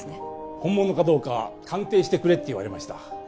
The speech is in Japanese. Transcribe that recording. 本物かどうか鑑定してくれって言われました。